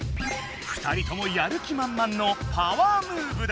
２人ともやる気まんまんのパワームーブだ。